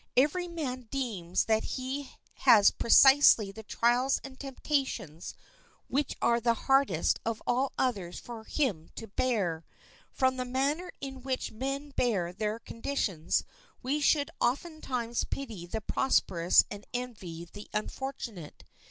Every man deems that he has precisely the trials and temptations which are the hardest of all others for him to bear. From the manner in which men bear their conditions we should ofttimes pity the prosperous and envy the unfortunate.